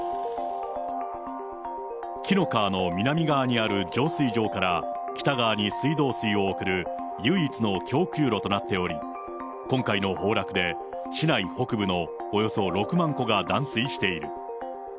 紀の川の南側にある浄水場から北側に水道水を送る唯一の供給路となっており、今回の崩落で、市内北部のおよそ６万戸が断水している。